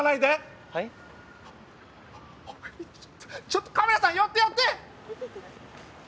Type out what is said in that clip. ちょっとカメラさん寄って寄って！